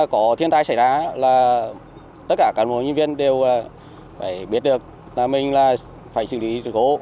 nếu có thiên tai xảy ra là tất cả các nhân viên đều phải biết được là mình phải xử lý sự cố